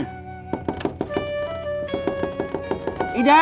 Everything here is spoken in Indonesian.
kamu mana idan